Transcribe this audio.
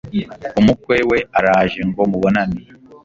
umukwe we araje ngo mubonane